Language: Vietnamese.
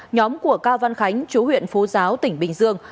nhóm của cao văn khánh chú huyện phú giáo tỉnh bình dương